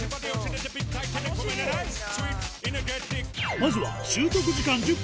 まずは習得時間１０分